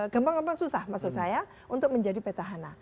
gampang gampang susah maksud saya untuk menjadi petahana